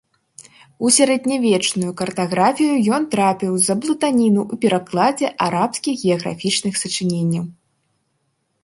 У сярэднявечную картаграфію ён трапіў з-за блытаніны ў перакладзе арабскіх геаграфічных сачыненняў.